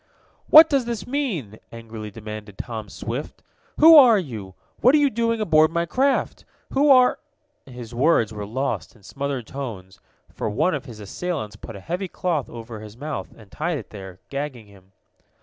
"What does this mean?" angrily demanded Tom Swift. "Who are you? What are you doing aboard my craft? Who are " His words were lost in smothered tones, for one of his assailants put a heavy cloth over his mouth, and tied it there, gagging him.